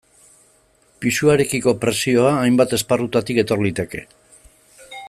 Pisuarekiko presioa hainbat esparrutatik etor liteke.